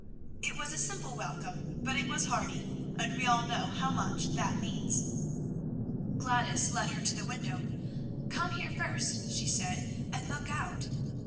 It was a simple welcome, but it was hearty, and we all know how much that means. Gladys led her to the window. "Come here first," she said, "and look out."